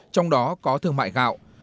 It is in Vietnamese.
trong đó có thương mại gạo